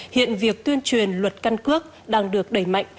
hiện việc tuyên truyền luật căn cước đang được đẩy mạnh